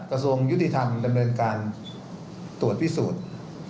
กระทรวงยุติธรรมดำเนินการตรวจพิสูจน์